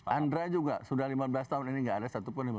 andra juga sudah lima belas tahun ini tidak ada satupun